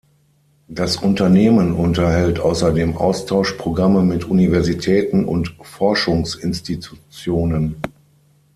Das Unternehmen unterhält außerdem Austauschprogramme mit Universitäten und Forschungsinstitutionen.